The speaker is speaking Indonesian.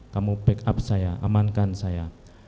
kamu backup saya amankan saya